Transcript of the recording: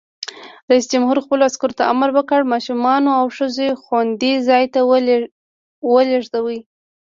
رئیس جمهور خپلو عسکرو ته امر وکړ؛ ماشومان او ښځې خوندي ځای ته ولېلوئ!